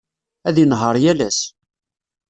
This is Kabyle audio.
Ad inehheṛ yal ass.